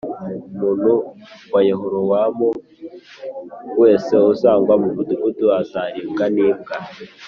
Umuntu wa Yerobowamu wese uzagwa mu mudugudu azaribwa n’imbwa